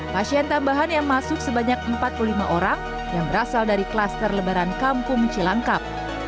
pasien tambahan yang masuk sebanyak empat puluh lima orang yang berasal dari klaster lebaran kampung cilangkap